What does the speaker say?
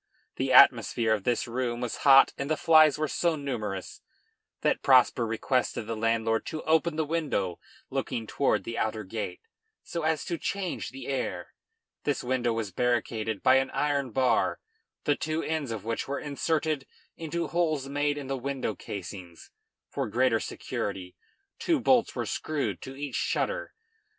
The atmosphere of this room was hot and the flies were so numerous that Prosper requested the landlord to open the window looking toward the outer gate, so as to change the air. This window was barricaded by an iron bar, the two ends of which were inserted into holes made in the window casings. For greater security, two bolts were screwed to each shutter.